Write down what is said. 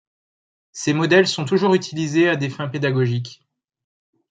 Ces modèles sont toujours utilisés à des fins pédagogiques.